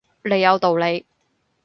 你有道理